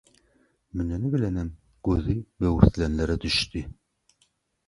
Müneni bilenem gözi böwürslenlere düşdi.